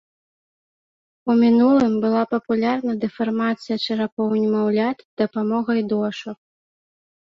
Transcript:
У мінулым была папулярна дэфармацыя чарапоў немаўлят з дапамогай дошак.